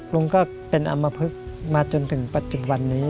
ลุงก็เป็นอำมพลึกมาจนถึงปัจจุบันนี้